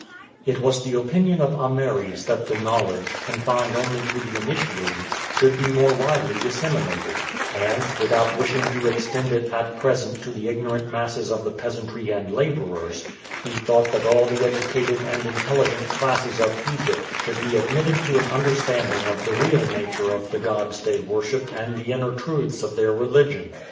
It was the opinion of Ameres that the knowledge, confined only to the initiated, should be more widely disseminated, and, without wishing to extend it at present to the ignorant masses of the peasantry and laborers, he thought that all the educated and intelligent classes of Egypt should be admitted to an understanding of the real nature of the gods they worshiped and the inner truths of their religion.